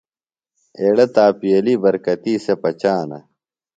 ایڑے تاپییلی برکتی سےۡ پچانہ۔